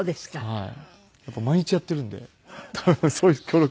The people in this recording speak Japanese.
はい。